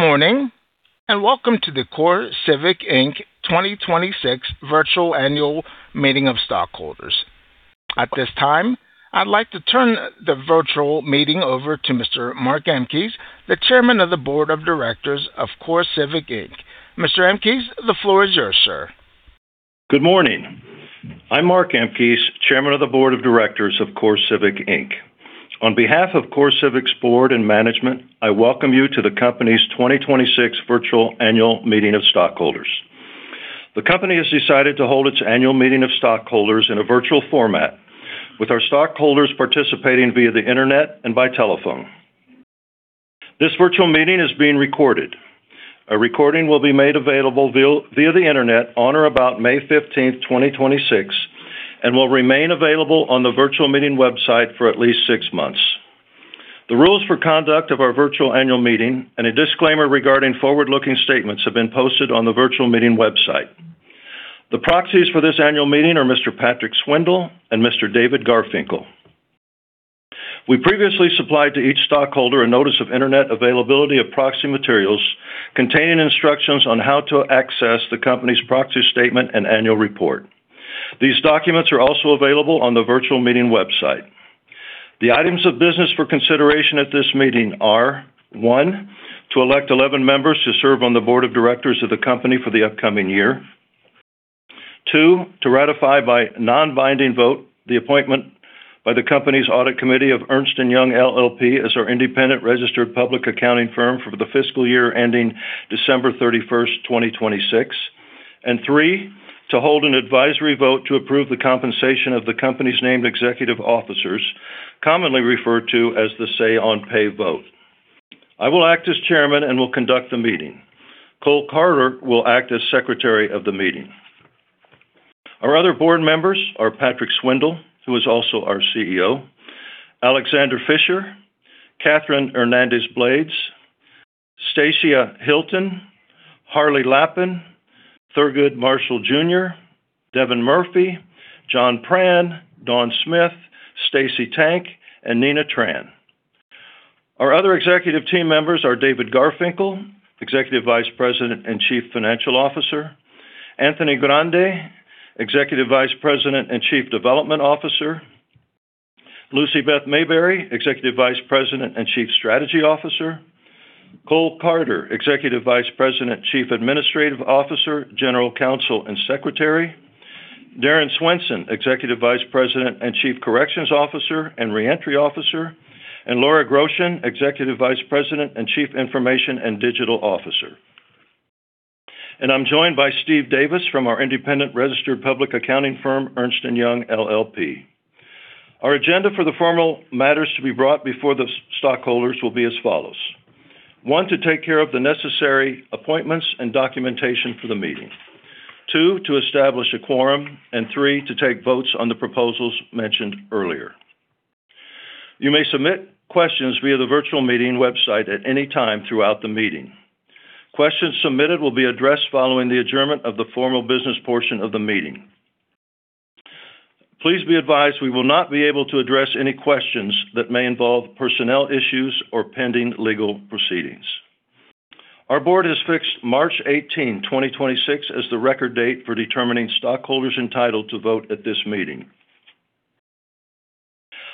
Good morning, welcome to the CoreCivic, Inc. 2026 Virtual Annual Meeting of Stockholders. At this time, I'd like to turn the virtual meeting over to Mr. Mark Emkes, the Chairman of the Board of Directors of CoreCivic, Inc. Mr. Emkes, the floor is yours, sir. Good morning. I'm Mark Emkes, Chairman of the Board of Directors of CoreCivic, Inc. On behalf of CoreCivic's board and management, I welcome you to the company's 2026 Virtual Annual Meeting of Stockholders. The company has decided to hold its Annual Meeting of Stockholders in a virtual format, with our stockholders participating via the internet and by telephone. This virtual meeting is being recorded. A recording will be made available via the internet on or about May 15th, 2026, and will remain available on the virtual meeting website for at least six months. The Rules for Conduct of our Virtual Annual Meeting and a disclaimer regarding forward-looking statements have been posted on the virtual meeting website. The proxies for this annual meeting are Mr. Patrick Swindle and Mr. David Garfinkle. We previously supplied to each stockholder a Notice of Internet Availability of Proxy Materials containing instructions on how to access the Company's Proxy Statement and Annual Report. These documents are also available on the virtual meeting website. The items of business for consideration at this meeting are: 1. To elect 11 members to serve on the Board of Directors of the Company for the upcoming year. 2. To ratify, by non-binding vote the appointment by the Company's Audit Committee of Ernst & Young LLP as our independent registered public accounting firm for the fiscal year ending December 31st, 2026. 3. To hold an advisory vote to approve the compensation of the Company's named executive officers, commonly referred to as the say on pay vote. I will act as Chairman and will conduct the meeting. Cole Carter will act as Secretary of the meeting. Our other board members are: Patrick Swindle, who is also our CEO; Alexander R. Fischer; Catherine Hernandez-Blades; Stacia Hylton; Harley Lappin, Thurgood Marshall Jr.; Devin Murphy; John R. Prann, Jr.; Dawn Smith; Stacey Tank; and Nina Tran. Our other executive team members are: David Garfinkle, Executive Vice President and Chief Financial Officer; Anthony Grande, Executive Vice President and Chief Development Officer; Lucibeth Mayberry, Executive Vice President and Chief Strategy Officer; Cole Carter, Executive Vice President, Chief Administrative Officer, General Counsel, and Secretary; Daren Swenson, Executive Vice President and Chief Corrections and Reentry Officer; and Laura Groschen, Executive Vice President and Chief Information and Digital Officer. I'm joined by Steve Davis from our independent registered public accounting firm, Ernst & Young LLP. Our agenda for the formal matters to be brought before the stockholders will be as follows. 1. To take care of the necessary appointments and documentation for the meeting. 2. To establish a quorum, and 3. To take votes on the proposals mentioned earlier. You may submit questions via the virtual meeting website at any time throughout the meeting. Questions submitted will be addressed following the adjournment of the formal business portion of the meeting. Please be advised we will not be able to address any questions that may involve personnel issues or pending legal proceedings. Our Board has fixed March 18th, 2026 as the record date for determining stockholders entitled to vote at this meeting.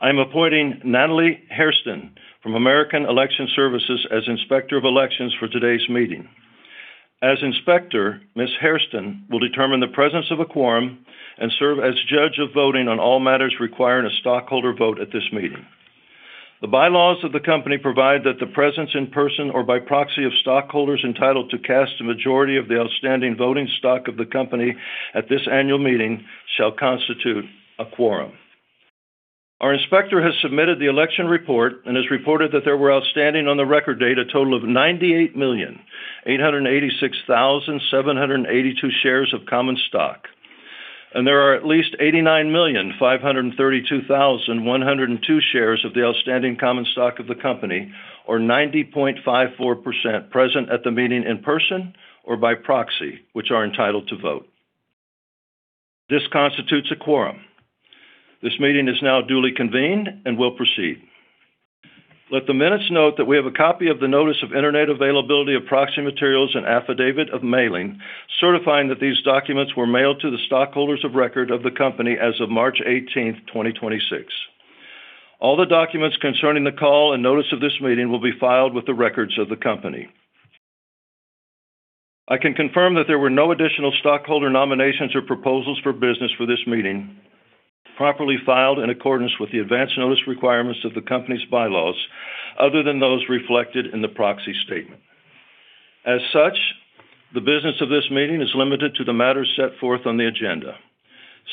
I am appointing Natalie Hairston from American Election Services as Inspector of Elections for today's meeting. As inspector, Ms. Hairston will determine the presence of a quorum and serve as judge of voting on all matters requiring a stockholder vote at this meeting. The Bylaws of the Company provide that the presence, in person or by proxy, of stockholders entitled to cast a majority of the outstanding voting stock of the Company at this Annual Meeting shall constitute a quorum. Our Inspector has submitted the election report and has reported that there were outstanding on the record date a total of 98,886,782 shares of common stock. There are at least 89,532,102 shares of the outstanding common stock of the company, or 90.54% present at the meeting in person or by proxy, which are entitled to vote. This constitutes a quorum. This meeting is now duly convened and will proceed. Let the minutes note that we have a copy of the notice of Internet Availability of Proxy Materials and affidavit of mailing, certifying that these documents were mailed to the stockholders of record of the company as of March 18th, 2026. All the documents concerning the call and notice of this meeting will be filed with the records of the company. I can confirm that there were no additional stockholder nominations or proposals for business for this meeting properly filed in accordance with the advance notice requirements of the company's bylaws other than those reflected in the proxy statement. As such, the business of this meeting is limited to the matters set forth on the agenda.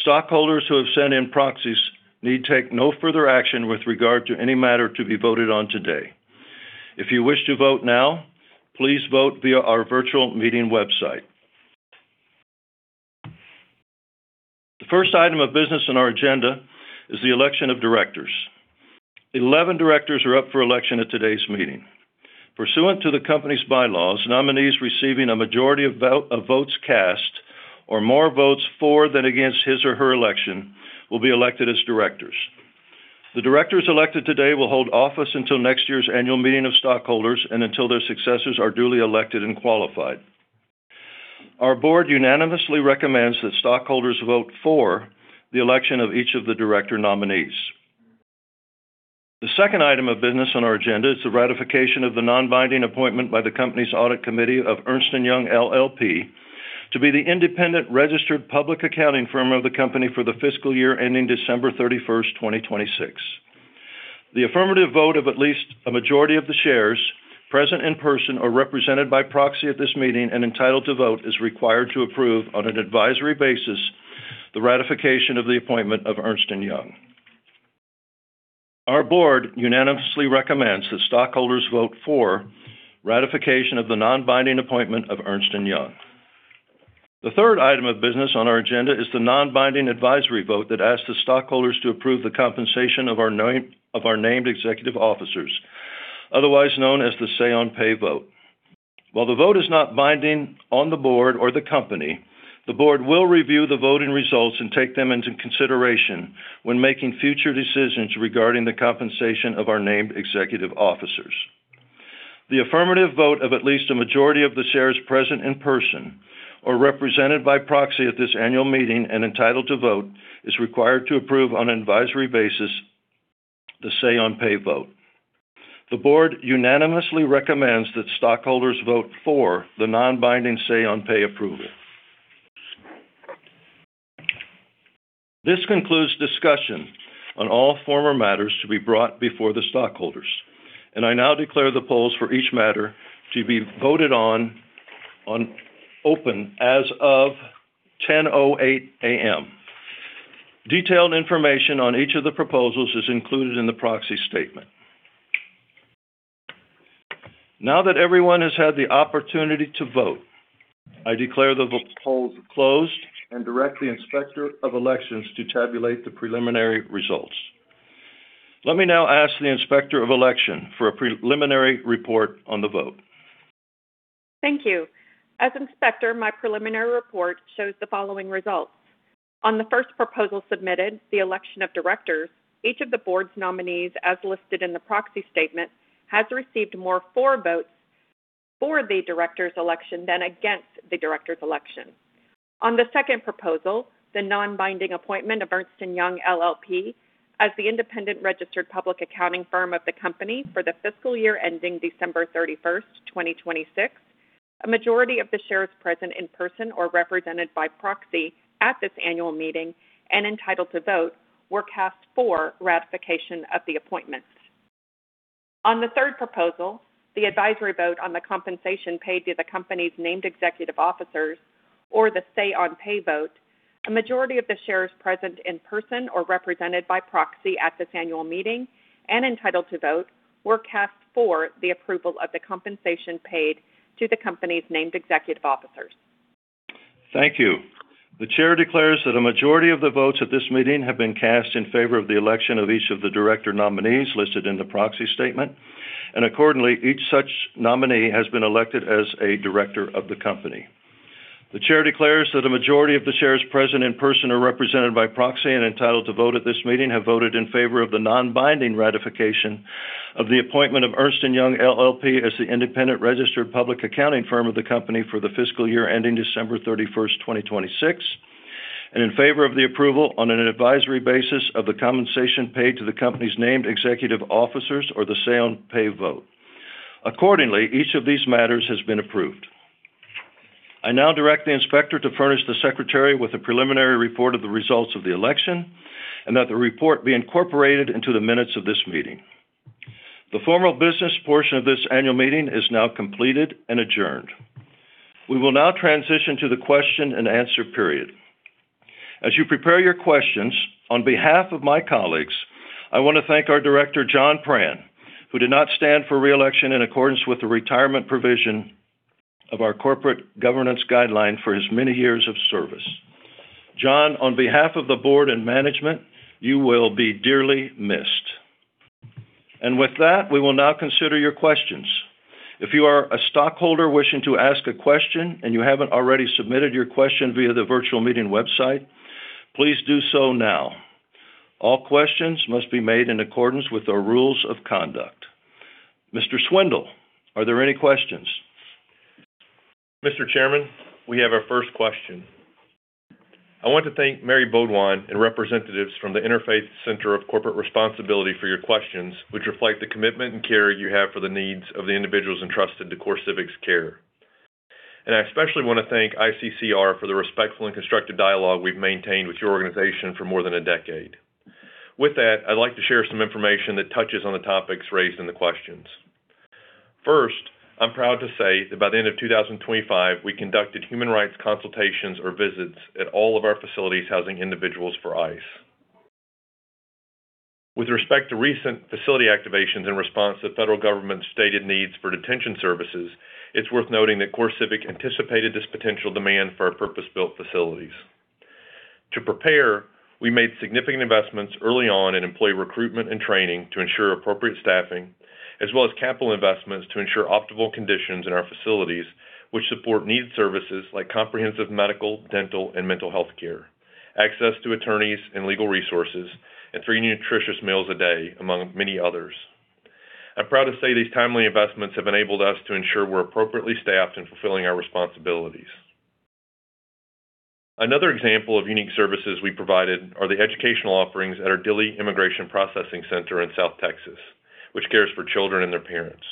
Stockholders who have sent in proxies need take no further action with regard to any matter to be voted on today. If you wish to vote now, please vote via our virtual meeting website. The first item of business on our agenda is the election of directors. 11 directors are up for election at today's meeting. Pursuant to the company's bylaws, nominees receiving a majority of votes cast or more votes for than against his or her election will be elected as directors. The directors elected today will hold office until next year's annual meeting of stockholders and until their successors are duly elected and qualified. Our board unanimously recommends that stockholders vote for the election of each of the director nominees. The second item of business on our agenda is the ratification of the non-binding appointment by the company's audit committee of Ernst & Young LLP to be the independent registered public accounting firm of the company for the fiscal year ending December 31st, 2026. The affirmative vote of at least a majority of the shares present in person or represented by proxy at this meeting and entitled to vote is required to approve on an advisory basis the ratification of the appointment of Ernst & Young. Our Board unanimously recommends that stockholders vote for ratification of the non-binding appointment of Ernst & Young. The third item of business on our agenda is the non-binding advisory vote that asks the stockholders to approve the compensation of our named executive officers, otherwise known as the say on pay vote. While the vote is not binding on the Board or the Company, the board will review the voting results and take them into consideration when making future decisions regarding the compensation of our named executive officers. The affirmative vote of at least a majority of the shares present in person or represented by proxy at this Annual Meeting and entitled to vote is required to approve, on an advisory basis, the say on pay vote. The Board unanimously recommends that stockholders vote for the non-binding say on pay approval. This concludes discussion on all former matters to be brought before the stockholders, and I now declare the polls for each matter to be voted on open as of 10:08 A.M. Detailed information on each of the proposals is included in the Proxy Statement. Now that everyone has had the opportunity to vote, I declare the polls closed and direct the Inspector of Elections to tabulate the preliminary results. Let me now ask the Inspector of Elections for a preliminary report on the vote. Thank you. As Inspector, my preliminary report shows the following results. On the first proposal submitted, the election of directors, each of the Board's nominees, as listed in the Proxy Statement, has received more for votes for the director's election than against the director's election. On the second proposal, the non-binding appointment of Ernst & Young LLP as the independent registered public accounting firm of the company for the fiscal year ending December 31st, 2026, a majority of the shares present in person or represented by proxy at this Annual Meeting and entitled to vote were cast for ratification of the appointments. On the third proposal, the advisory vote on the compensation paid to the company's named executive officers or the say on pay vote, a majority of the shares present in person or represented by proxy at this Annual Meeting and entitled to vote were cast for the approval of the compensation paid to the company's named executive officers. Thank you. The Chair declares that a majority of the votes at this meeting have been cast in favor of the election of each of the director nominees listed in the Proxy Statement. Accordingly, each such nominee has been elected as a director of the company. The Chair declares that a majority of the shares present in person are represented by proxy and entitled to vote at this meeting have voted in favor of the non-binding ratification of the appointment of Ernst & Young LLP as the independent registered public accounting firm of the company for the fiscal year ending December 31st, 2026, and in favor of the approval, on an advisory basis of the compensation paid to the company's named executive officers or the say on pay vote. Accordingly, each of these matters has been approved. I now direct the Inspector to furnish the Secretary with a preliminary report of the results of the election and that the report be incorporated into the minutes of this meeting. The formal business portion of this Annual Meeting is now completed and adjourned. We will now transition to the question-and-answer period. As you prepare your questions, on behalf of my colleagues, I want to thank our Director, John R. Prann, Jr., who did not stand for re-election in accordance with the retirement provision of our Corporate Governance Guideline for his many years of service. John R. Prann, Jr., on behalf of the Board and management, you will be dearly missed. With that, we will now consider your questions. If you are a stockholder wishing to ask a question and you haven't already submitted your question via the virtual meeting website, please do so now. All questions must be made in accordance with our rules of conduct. Mr. Swindle, are there any questions? Mr. Chairman, we have our first question. I want to thank Mary Baudouin and representatives from the Interfaith Center on Corporate Responsibility for your questions, which reflect the commitment and care you have for the needs of the individuals entrusted to CoreCivic's care. I especially want to thank ICCR for the respectful and constructive dialogue we've maintained with your organization for more than a decade. With that, I'd like to share some information that touches on the topics raised in the questions. First, I'm proud to say that by the end of 2025, we conducted human rights consultations or visits at all of our facilities housing individuals for ICE. With respect to recent facility activations in response to federal government's stated needs for detention services, it's worth noting that CoreCivic anticipated this potential demand for our purpose-built facilities. To prepare, we made significant investments early on in employee recruitment and training to ensure appropriate staffing. As well as capital investments to ensure optimal conditions in our facilities, which support needed services like comprehensive medical, dental, and mental health care; access to attorneys and legal resources; and three nutritious meals a day, among many others. I'm proud to say these timely investments have enabled us to ensure we're appropriately staffed and fulfilling our responsibilities. Another example of unique services we provided are the educational offerings at our Dilley Immigration Processing Center in South Texas, which cares for children and their parents.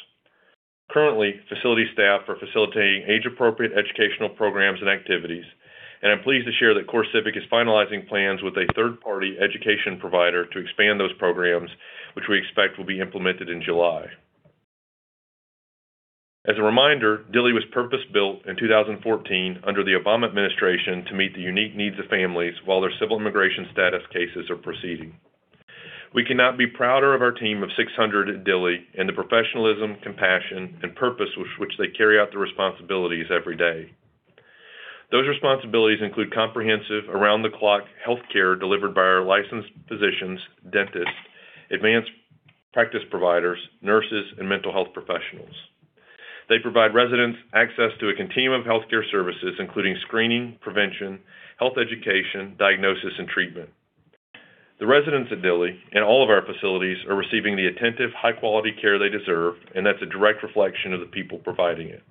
Currently, facility staff are facilitating age-appropriate educational programs and activities, and I'm pleased to share that CoreCivic is finalizing plans with a third-party education provider to expand those programs, which we expect will be implemented in July. As a reminder, Dilley was purpose-built in 2014 under the Obama administration to meet the unique needs of families while their civil immigration status cases are proceeding. We cannot be prouder of our team of 600 at Dilley and the professionalism, compassion, and purpose with which they carry out their responsibilities every day. Those responsibilities include comprehensive, around-the-clock health care delivered by our licensed physicians, dentists, advanced practice providers, nurses, and mental health professionals. They provide residents access to a continuum of healthcare services, including screening, prevention, health education, diagnosis, and treatment. The residents of Dilley and all of our facilities are receiving the attentive, high-quality care they deserve, and that's a direct reflection of the people providing it.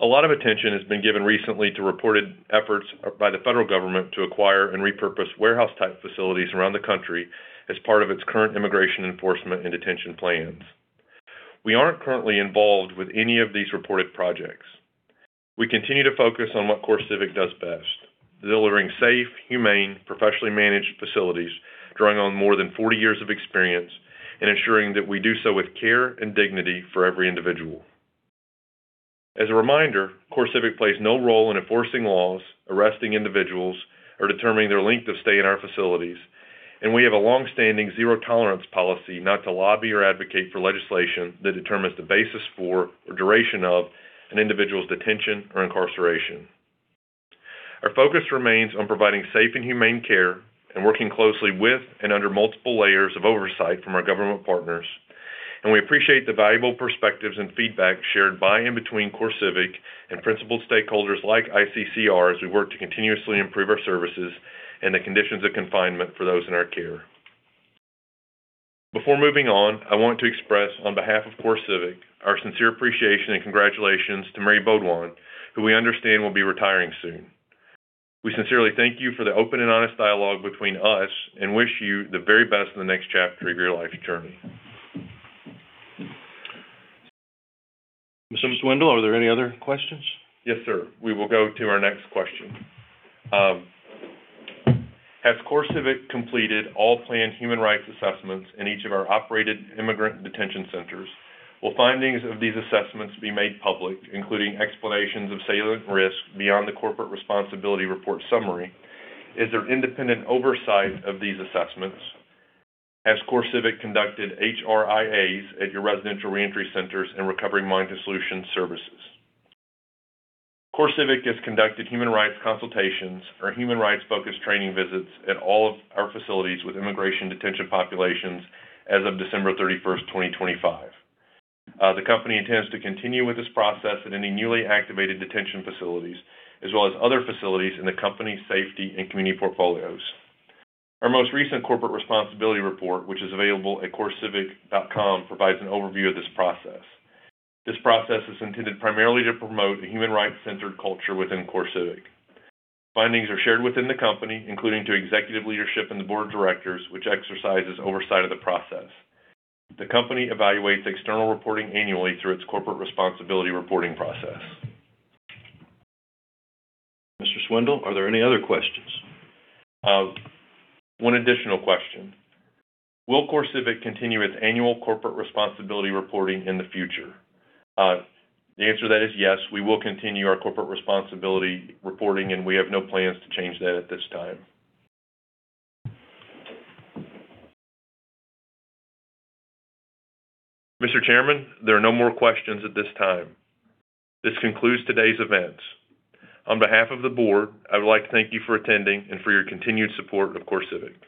A lot of attention has been given recently to reported efforts by the federal government to acquire and repurpose warehouse-type facilities around the country as part of its current immigration enforcement and detention plans. We aren't currently involved with any of these reported projects. We continue to focus on what CoreCivic does best, delivering safe, humane, professionally managed facilities, drawing on more than 40 years of experience and ensuring that we do so with care and dignity for every individual. As a reminder, CoreCivic plays no role in enforcing laws, arresting individuals, or determining their length of stay in our facilities, and we have a long-standing zero-tolerance policy not to lobby or advocate for legislation that determines the basis for or duration of an individual's detention or incarceration. Our focus remains on providing safe and humane care and working closely with and under multiple layers of oversight from our government partners, and we appreciate the valuable perspectives and feedback shared by and between CoreCivic and principal stakeholders like ICCR as we work to continuously improve our services and the conditions of confinement for those in our care. Before moving on, I want to express on behalf of CoreCivic, our sincere appreciation and congratulations to Mary Baudouin, who we understand will be retiring soon. We sincerely thank you for the open and honest dialogue between us and wish you the very best in the next chapter of your life's journey. Mr. Swindle, are there any other questions? Yes, sir. We will go to our next question. Has CoreCivic completed all planned human rights assessments in each of our operated immigrant detention centers? Will findings of these assessments be made public, including explanations of salient risk beyond the Corporate Responsibility Reporting summary? Is there independent oversight of these assessments? Has CoreCivic conducted HRIAs at your residential reentry centers and recovery-minded solution services? CoreCivic has conducted human rights consultations or human rights-focused training visits at all of our facilities with immigration detention populations as of December 31st, 2025. The company intends to continue with this process at any newly activated detention facilities as well as other facilities in the company's Safety and Community portfolios. Our most recent Corporate Responsibility report, which is available at corecivic.com, provides an overview of this process. This process is intended primarily to promote a human rights-centered culture within CoreCivic. Findings are shared within the company, including to executive leadership and the Board of Directors, which exercises oversight of the process. The company evaluates external reporting annually through its Corporate Responsibility reporting process. Mr. Swindle, are there any other questions? One additional question. Will CoreCivic continue its annual Corporate Responsibility Reporting in the future? The answer to that is yes, we will continue our Corporate Responsibility Reporting, and we have no plans to change that at this time. Mr. Chairman, there are no more questions at this time. This concludes today's events. On behalf of the Board, I would like to thank you for attending and for your continued support of CoreCivic.